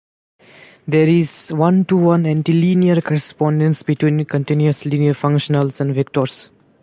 There is one-to-one antilinear correspondence between continuous linear functionals and vectors.